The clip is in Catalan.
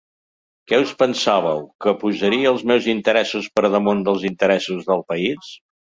Què us pensàveu, que posaria els meus interessos per damunt dels interessos de país?